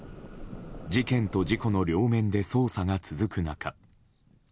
事件と事故の両面で捜査が続く中。